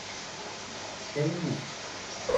เจ๊งดิ